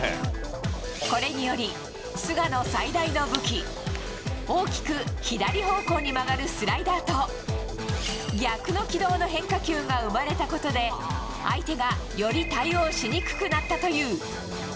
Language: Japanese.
これにより菅野、最大の武器大きく左方向に曲がるスライダーと逆の軌道の変化球が生まれたことで相手がより対応しにくくなったという。